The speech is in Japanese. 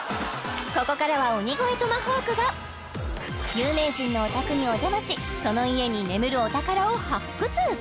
ここからは鬼越トマホークが有名人のお宅にお邪魔しその家に眠るお宝を発掘！